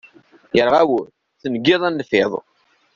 Irɣa wul, tengiḍ a nnfiḍ.